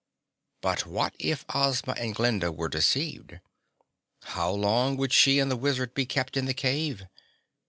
But what if Ozma and Glinda were deceived? How long would she and the Wizard be kept in the cave?